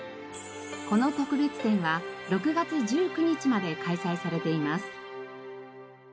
この特別展は６月１９日まで開催されています。